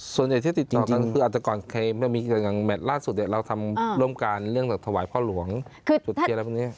ส่วนใหญ่ที่ติดต่อคืออาจจะก่อนเคมมีการแมทล่าสุดเราทำร่วมการเรื่องถวายพ่อหลวงจุดเชียร์อะไรแบบนี้